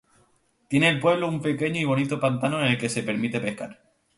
Tiene el pueblo un pequeño y bonito pantano en el que se permite pescar.